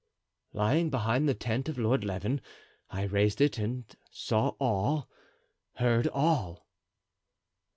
"Lying behind the tent of Lord Leven, I raised it and saw all, heard all!"